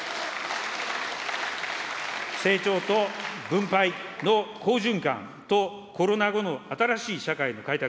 成長と分配の好循環とコロナ後の新しい社会の開拓。